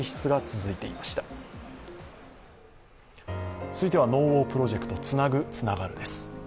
続いては「ＮＯＷＡＲプロジェクトつなぐ、つながる」です。